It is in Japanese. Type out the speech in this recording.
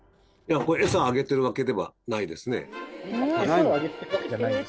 餌をあげてるわけじゃないんですか？